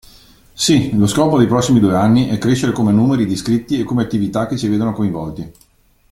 Sì, lo scopo dei prossimi due anni è crescere come numeri di iscritti e come attività che ci vedono coinvolti.